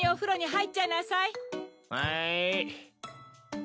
はい。